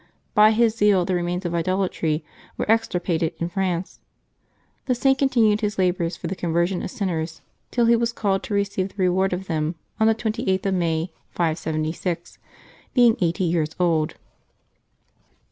By his zeal the remains of idolatry were extirpated in Prance. The Saint continued his labors for the conversion of sinners till he was called to receive the reward of them, on the 28th of May, 576, being eighty years old.